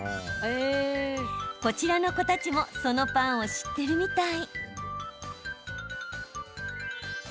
こちらの子たちもそのパンを知っているみたい。